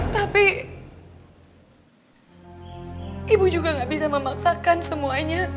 tapi ibu juga gak bisa memaksakan semuanya